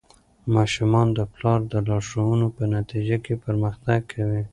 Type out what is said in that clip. ماشومان د پلار د لارښوونو په نتیجه کې پرمختګ کوي.